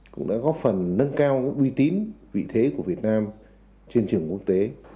cũng đã góp phần nâng cao uy tín vị thế của việt nam trên trường quốc tế